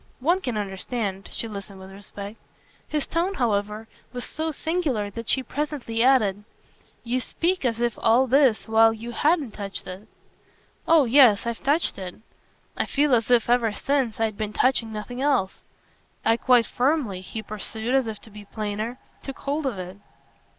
"One can understand." She listened with respect. His tone however was so singular that she presently added: "You speak as if all this while you HADN'T touched it." "Oh yes, I've touched it. I feel as if, ever since, I'd been touching nothing else. I quite firmly," he pursued as if to be plainer, "took hold of it."